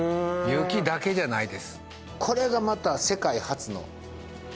雪だけじゃないです